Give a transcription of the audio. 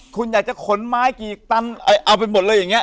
คุณอยากจะขนไม้กี่ตันเอาไปหมดเลยอย่างนี้